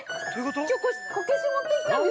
きょう、こけし持ってきたんです。